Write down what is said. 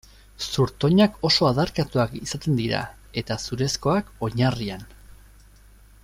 Zurtoinak oso adarkatuak izaten dira, eta zurezkoak oinarrian.